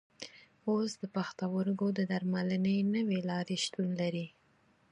اوس د پښتورګو د درملنې نوې لارې شتون لري.